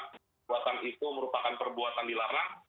perbuatan itu merupakan perbuatan dilarang